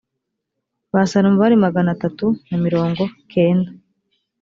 ba salomo bari magana atatu na mirongo kenda